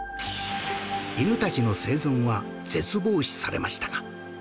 犬たちの生存は絶望視されましたが